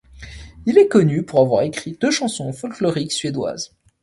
Il est connu pour avoir écrit deux chansons folkloriques suédoises.